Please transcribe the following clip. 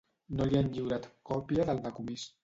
No li han lliurat còpia del decomís.